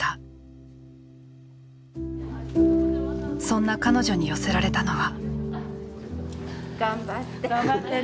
そんな彼女に寄せられたのは。